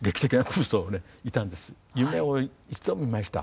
夢を一度見ました。